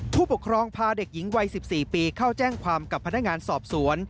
ผู้ปกครองพาเด็กหญิงวัย๑๔ปีเข้าแจ้งความกับพนักงานสอบสวน